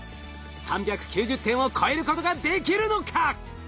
３９０点を超えることができるのか？